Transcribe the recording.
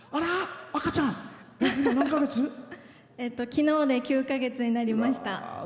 昨日で９か月になりました。